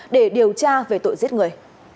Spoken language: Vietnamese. để điều tra về tội giết người